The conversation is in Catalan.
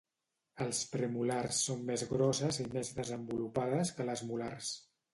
Els premolars són més grosses i més desenvolupades que les molars.